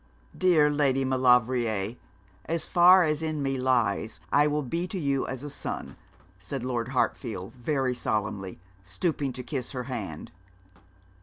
'Dear Lady Maulevrier, as far as in me lies, I will be to you as a son,' said Lord Hartfield, very solemnly, stooping to kiss her hand.